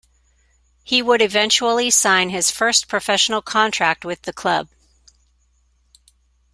He would eventually sign his first professional contract with the club.